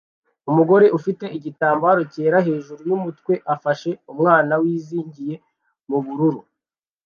Umugore ufite igitambaro cyera hejuru yumutwe afashe umwana wizingiye mubururu